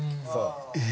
え！